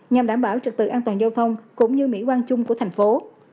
nhằm đảm bảo trực tự an toàn giao thông cũng như mỹ quan chung của thành phố